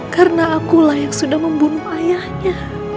karena akulah yang sudah membunuh ayahnya